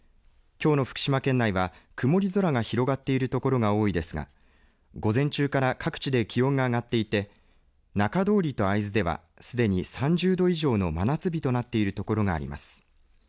きょうの福島県内は、曇り空が広がっている所が多いですが午前中から各地で気温が上がっていて中通りと会津ではすでに３０度以上の真夏日となっている所があります。